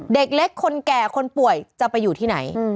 เด็กเล็กคนแก่คนป่วยจะไปอยู่ที่ไหน